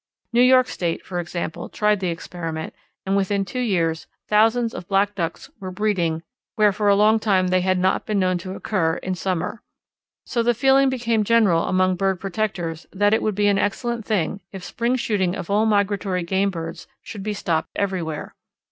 New York State, for example, tried the experiment, and within two years thousands of Black Ducks were breeding where for a long time they had not been known to occur in summer. So the feeling became general among bird protectors that it would be an excellent thing if spring shooting of all migratory game birds should be stopped everywhere.